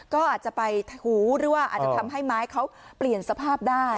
ก็อาจจะไปหูหรือว่าอาจจะทำให้ไม้เขาเปลี่ยนสภาพได้